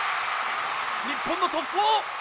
日本の速攻！